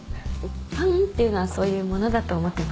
ファンっていうのはそういうものだと思ってます。